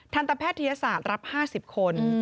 ทันตแพทยศาสตร์รับ๕๐คน